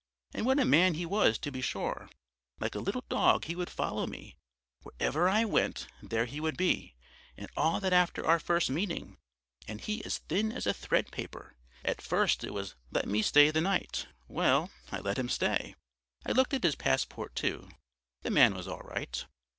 And what a man he was, to be sure! Like a little dog he would follow me; wherever I went there he would be; and all that after our first meeting, and he as thin as a thread paper! At first it was 'let me stay the night'; well, I let him stay. "I looked at his passport, too; the man was all right.